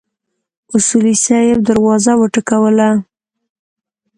اصولي صیب دروازه وټکوله.